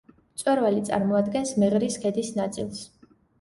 მწვერვალი წარმოადგენს მეღრის ქედის ნაწილს.